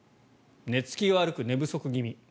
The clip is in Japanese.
寝付きが悪く寝不足気味。